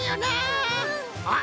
あっ！